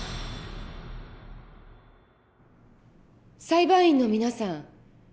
裁判員の皆さん